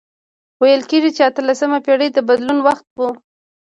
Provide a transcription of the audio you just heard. ویل کیږي چې اتلسمه پېړۍ د بدلون وخت و.